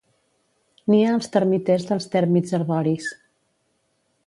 Nia als termiters dels tèrmits arboris.